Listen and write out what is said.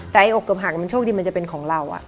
แต่ไอ้อกเกือบหักมันโชคดีมันจะเป็นของเรา